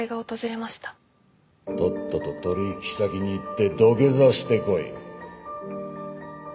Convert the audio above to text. とっとと取引先に行って土下座してこい。